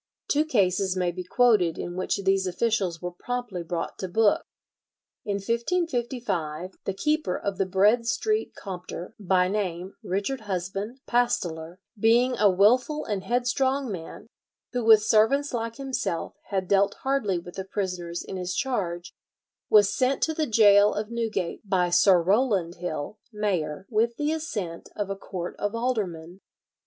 Two cases may be quoted in which these officials were promptly brought to book. In 1555 the keeper of the Bread Street Compter, by name Richard Husband, pasteler, "being a willful and headstrong man," who, with servants like himself, had dealt hardly with the prisoners in his charge, was sent to the gaol of Newgate by Sir Rowland Hill, mayor, with the assent of a court of aldermen.